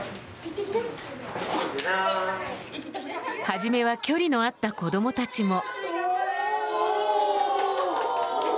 初めは距離のあった子供たちも。